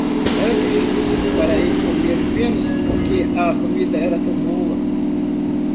Era difícil para ele comer menos porque a comida era tão boa.